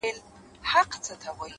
علم د بې لارې کېدو مخه نیسي!